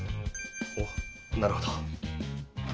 おっなるほど。